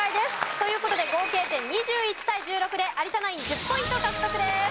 という事で合計点２１対１６で有田ナイン１０ポイント獲得です。